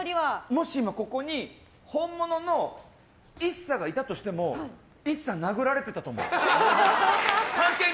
もし今、ここに本物のＩＳＳＡがいたとしてもＩＳＳＡ、殴られてたと思う。